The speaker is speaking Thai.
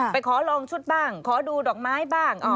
ขอลองชุดบ้างขอดูดอกไม้บ้าง